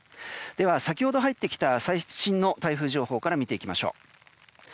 では、先ほど入ってきた最新の台風情報から見ていきましょう。